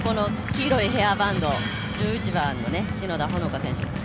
黄色いヘアバンド１１番の篠田帆花選手。